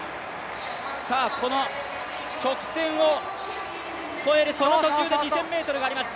この直線を越える、その途中で２０００ｍがあります。